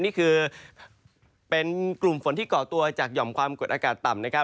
นี่คือเป็นกลุ่มฝนที่ก่อตัวจากหย่อมความกดอากาศต่ำนะครับ